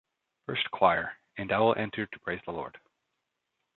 First choir: And I will enter to praise the Lord.